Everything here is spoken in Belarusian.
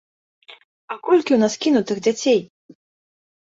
А колькі ў нас кінутых дзяцей?